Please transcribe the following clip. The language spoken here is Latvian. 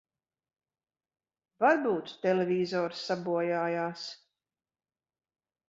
Varbūt televizors sabojājās.